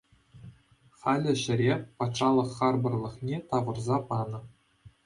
Халӗ ҫӗре патшалӑх харпӑрлӑхне тавӑрса панӑ.